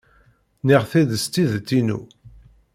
Nniɣ-t-id s tidet-inu.